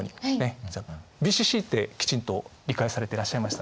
ＢＣＣってきちんと理解されていらっしゃいましたね。